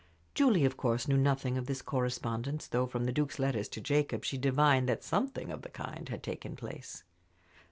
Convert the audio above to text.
Julie, of course, knew nothing of this correspondence, though from the Duke's letters to Jacob she divined that something of the kind had taken place.